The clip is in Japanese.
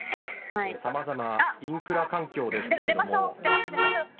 さまざまなインフラ環境ですけれども。